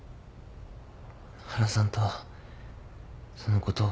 原さんとそのことを。